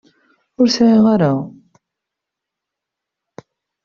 Ur sεiɣ ara.